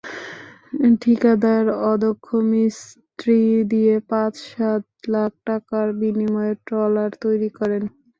ঠিকাদার অদক্ষ মিস্ত্রি দিয়ে পাঁচ-সাত লাখ টাকার বিনিময়ে ট্রলার তৈরি করেন।